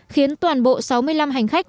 khiến toàn bộ sáu mươi năm hành khách